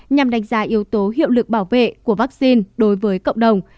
nhằm đánh giá yếu tố hiệu lực bảo vệ của vaccine đối với cộng đồng